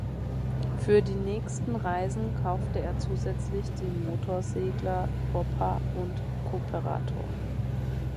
Für die nächsten Reisen kaufte er zusätzlich die Motorsegler "Bopha" und "Kooperator".